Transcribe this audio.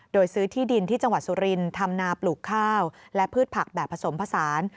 โดยซื้อที่ดินที่จังหวัดสุรินทำนาปลูกข้าวและพืชผักแบบผสมผสาน